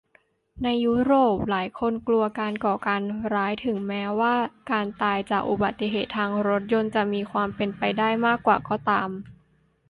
ในยุโรป หลายคนกลัวการก่อการร้าย ถึงแม้ว่าการตายจากอุบัติเหตุทางรถยนต์จะมีความเป็นไปได้มากกว่าก็ตาม